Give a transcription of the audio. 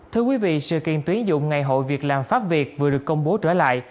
thưa quý vị sự kiện tuyến dụng ngày hội việc làm pháp việt vừa được công bố trở lại